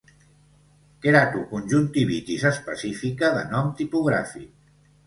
Queratoconjuntivitis específica de nom tipogràfic.